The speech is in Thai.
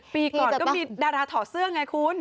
ปีก่อนก็มีดาราถอดเสื้อไงคุณ